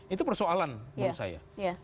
itu persoalan menurut saya